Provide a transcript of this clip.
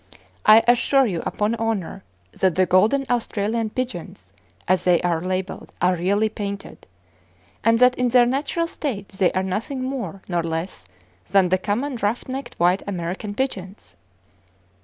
I assure you, upon honor, that the Golden Australian Pigeons, as they are labeled, are really painted; and that in their natural state they are nothing more nor less than the common ruff necked white American pigeons!"